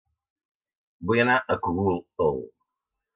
Vull anar a Cogul, el